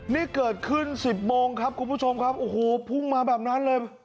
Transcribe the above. นี่เกิดขึ้น๑๐โมงครับคุณผู้ชมครับโอ้โหพุ่งมาแบบนั้นเลย